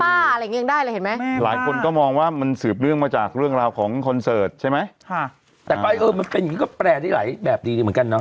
อะไรอย่างเงี้ยังได้เลยเห็นไหมหลายคนก็มองว่ามันสืบเนื่องมาจากเรื่องราวของคอนเสิร์ตใช่ไหมค่ะแต่ก็เออมันเป็นอย่างนี้ก็แปลได้หลายแบบดีดีเหมือนกันเนอ